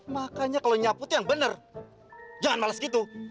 makanya kalau nyapu yang bener jangan males gitu